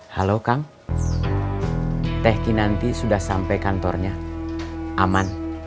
halo kang teh kinanti sudah sampai kantornya aman